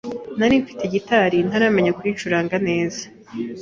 nari mfite guitar ntaranamenya kuyicuranga neza,